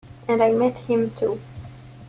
And I met him, too.